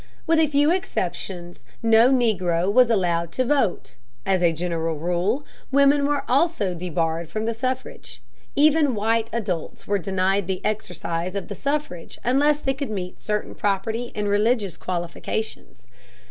With a few exceptions, no Negro was allowed to vote. As a general rule, women were also debarred from the suffrage. Even white adults were denied the exercise of the suffrage unless they could meet certain property and religious qualifications.